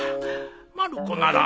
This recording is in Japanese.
まる子なら